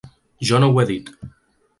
Jo no ho he dit.